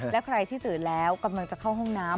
และใครที่ตื่นแล้วกำลังจะเข้าห้องน้ำ